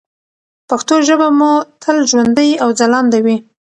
پښتو ژبه مو تل ژوندۍ او ځلانده وي.